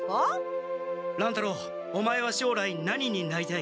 乱太郎オマエはしょうらい何になりたい？